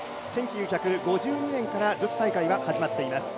１９５２年から女子大会は始まっています。